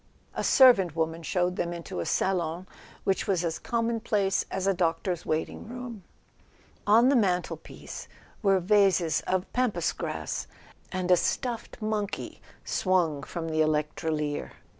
A servant woman showed them into a salon which was as commonplace as a doctor's wait¬ ing room. On the mantelpiece were vases of Pampas grass, and a stuffed monkey swung from the electrolier.